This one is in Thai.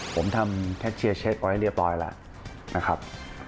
ผมทำแท็กเชียร์เช็คไว้เรียบร้อยแล้วนะครับ